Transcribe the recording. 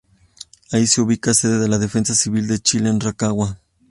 Ahí se ubica la sede de la Defensa Civil de Chile en Rancagua.